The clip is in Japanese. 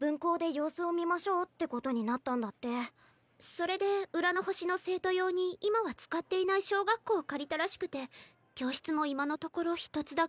それで浦の星の生徒用に今は使っていない小学校を借りたらしくて教室も今のところ一つだけ。